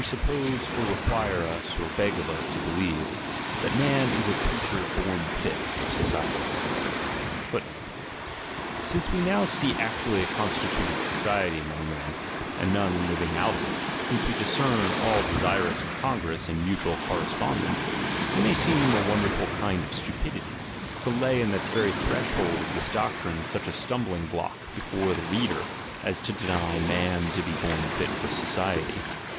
• from fear, gupposc, or rcquirc us or beg of us to believe, that man is a creature bom fit * for society. The Greeks * Born Jit.'] Since we now see actually a constituted society among men, and none living out of it, since we discern all de sirous of congress and mutual correspondence, it may seem a wonderful kind of stupidity, to lay in the very threshold of this doctrine such a stumbling block before the reader, as to deny man to be born Jit for society.